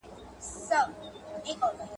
ورخبر یې کړزړګی په لړمانه کي